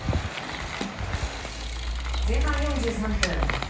前半４３分。